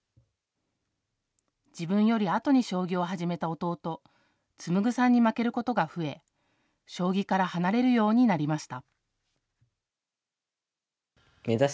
自分よりあとに将棋を始めた弟・紡さんに負けることが増え将棋から離れるようになりました。